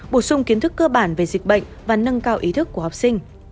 bổ sung kiến thức cơ bản về dịch bệnh và nâng cao ý thức của học sinh